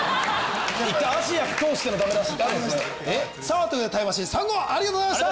一回アジア通してのダメ出しってあるんですね。ということでタイムマシーン３号ありがとうございました！